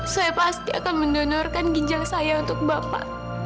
saya pasti akan mendonorkan ginjal saya untuk bapak